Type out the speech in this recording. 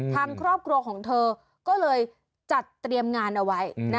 ทางครอบครัวของเธอก็เลยจัดเตรียมงานเอาไว้